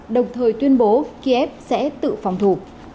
đồng thời tuyên bố kiev sẽ tự phòng thủ